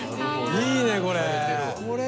いいねこれ。